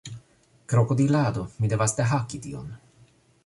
Krokodilado, mi devas dehaki tion!